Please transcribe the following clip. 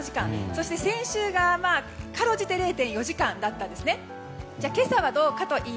そして先週が、かろうじて０．４時間だったんですね。